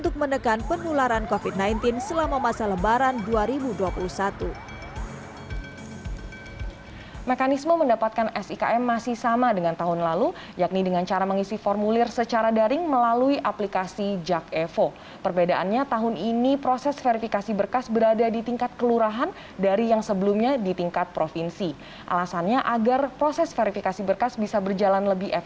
kebijakan menggunakan sikm pernah diberlakukan di dki jakarta tahun dua ribu dua puluh lalu